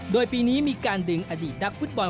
โดยปีนี้มีการดึงอดีตนักฟุตบอล